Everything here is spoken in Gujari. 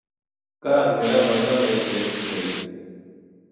کاہڈ میرا بدلہ ما ایک بیٹکی کری